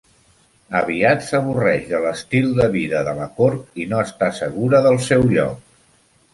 Aviat s'avorreix de l'estic de vida de la cort i no està segura del seu lloc.